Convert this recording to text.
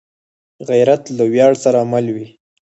غیرت له ویاړ سره مل وي